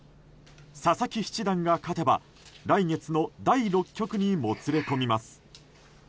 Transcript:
佐々木七段が勝てば来月の第６局にもつれ込みます。